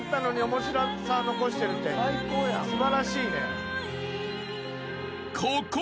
素晴らしいね。